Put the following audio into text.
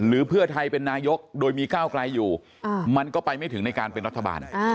เพื่อไทยเป็นนายกโดยมีก้าวไกลอยู่มันก็ไปไม่ถึงในการเป็นรัฐบาล